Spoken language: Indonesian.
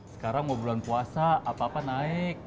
sekarang mau bulan puasa apa apa naik